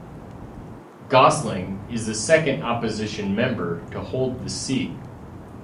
Gosling is the second opposition member to hold the seat.